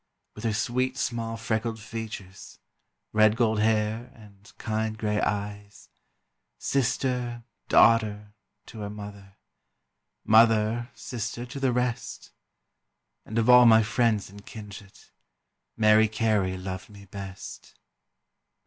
With her sweet small freckled features, Red gold hair, and kind grey eyes; Sister, daughter, to her mother, Mother, sister, to the rest And of all my friends and kindred, Mary Carey loved me best.